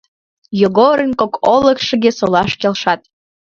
Йогорын кок олыкшыге солаш келшат.